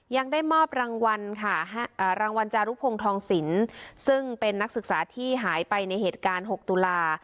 ยังได้มอบรางวัลค่ะรางวัลจารุพงศ์ทองสินซึ่งเป็นนักศึกษาที่หายไปในเหตุการณ์๖ตุลา